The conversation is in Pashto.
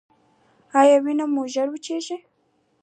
ایا وینه مو ژر وچیږي؟